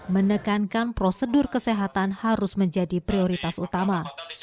menekankan prosedur kesehatan harus menjadi prioritas utama